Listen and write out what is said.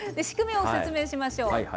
仕組みを説明しましょう。